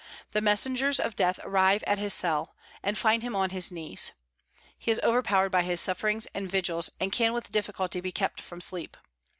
The messengers of death arrive at his cell, and find him on his knees. He is overpowered by his sufferings and vigils, and can with difficulty be kept from sleep.